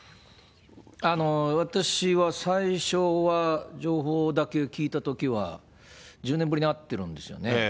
私は最初は情報だけ聞いたときは、１０年ぶりに会ってるんですよね。